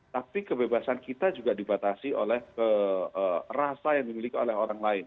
tapi kebebasan kita juga dibatasi oleh rasa yang dimiliki oleh orang lain